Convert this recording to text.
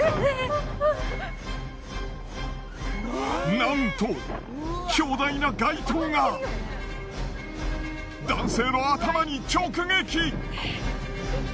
なんと巨大な街灯が男性の頭に直撃。